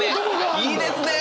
いいですねえ！